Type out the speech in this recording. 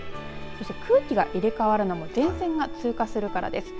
そして、空気が入れ替わるのも前線が通過するからです。